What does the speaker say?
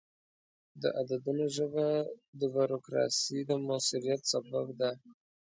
د عددونو ژبه د بروکراسي د موثریت سبب ده.